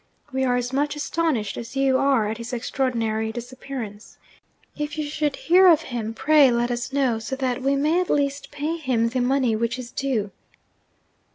We are as much astonished as you are at his extraordinary disappearance. If you should hear of him, pray let us know, so that we may at least pay him the money which is due.'